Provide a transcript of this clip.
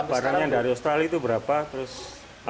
barangnya dari australia itu berapa terus apa jauhnya